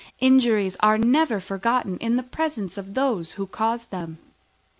Injuries are never forgotten in the presence of those who caused them.